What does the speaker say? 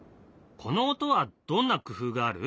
この音はどんな工夫がある？